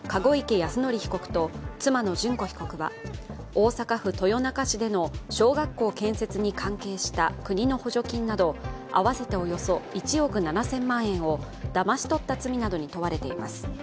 泰典被告と妻の諄子被告は大阪府豊中市での、小学校建設に関係した国の補助金など、合わせておよそ１億７０００万円をだまし取った罪などに問われています。